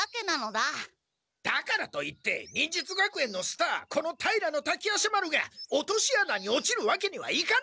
だからといって忍術学園のスターこの平滝夜叉丸が落とし穴に落ちるわけにはいかない！